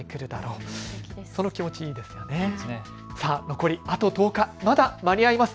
残りあと１０日、まだ間に合います。